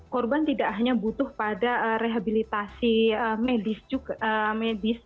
korban tidak hanya butuh pada rehabilitasi medis